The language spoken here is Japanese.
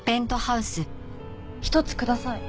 １つください。